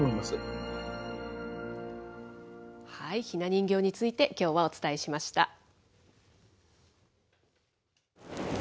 ひな人形についてきょうはお伝えしました。